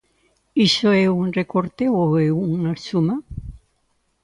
¿Iso é un recorte ou é unha suma?